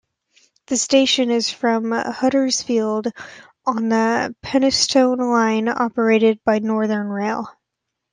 The station is from Huddersfield on the Penistone Line operated by Northern Rail.